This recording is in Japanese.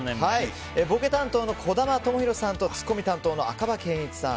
ボケ担当の児玉智洋さんとツッコミ担当の赤羽健壱さん